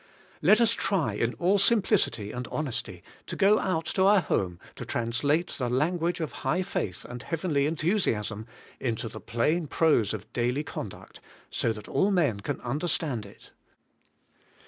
Let us try in all simplic ity and honesty to go out to our home to translate the language of high faith and heavenly enthusiasm into the plain prose of daily conduct, so that all men can understand it.